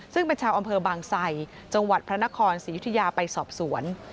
ซึ่งเป็นชาวอำเภอบางไสจังหวัดพระนครศรียุธยาไปสอบสวน